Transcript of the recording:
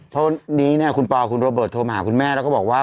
เท่านี้คุณปอร์คุณโรเบิร์ตโทรมาหาคุณแม่แล้วก็บอกว่า